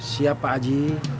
siap pak ji